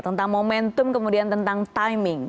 tentang momentum kemudian tentang timing